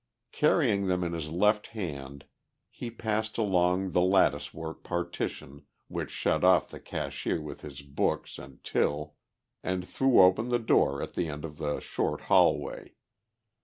Carrying them in his left hand he passed along the lattice work partition which shut off the cashier with his books and till, and threw open the door at the end of the short hallway.